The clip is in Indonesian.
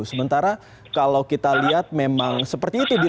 sementara kalau kita lihat memang seperti itu dia